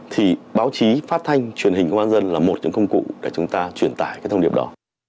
thì báo chí phát thanh truyền hình công an dân là một những công cụ để chúng ta truyền tải cái thông điệp đó